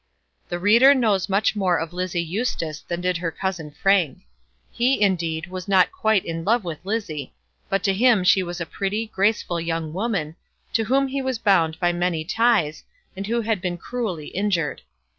The reader knows much more of Lizzie Eustace than did her cousin Frank. He, indeed, was not quite in love with Lizzie; but to him she was a pretty, graceful young woman, to whom he was bound by many ties, and who had been cruelly injured.